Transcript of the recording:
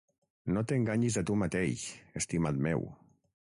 No t"enganyis a tu mateix, estimat meu.